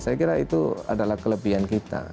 saya kira itu adalah kelebihan kita